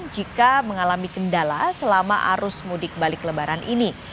jika mengalami kendala selama arus mudik balik lebaran ini